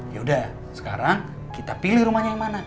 yaudah sekarang kita pilih rumahnya yang mana